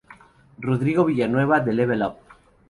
Rodrigo Villanueva de Level Up!